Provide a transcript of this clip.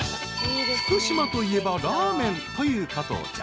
［福島といえばラーメンという加藤茶］